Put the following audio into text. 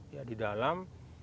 ya di dalam